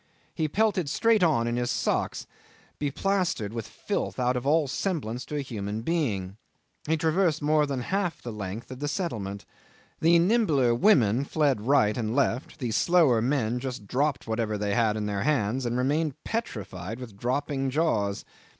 He pelted straight on in his socks, beplastered with filth out of all semblance to a human being. He traversed more than half the length of the settlement. The nimbler women fled right and left, the slower men just dropped whatever they had in their hands, and remained petrified with dropping jaws.